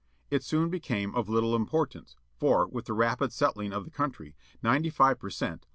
It soon became of Uttle importance, for, with the rapid settUng of the country, ninety five per cent.